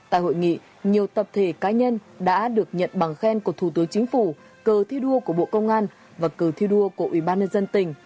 tại hội nghị nhiều tập thể cá nhân đã được nhận bằng khen của thủ tướng chính phủ cờ thi đua của bộ công an và cờ thi đua của ubnd tỉnh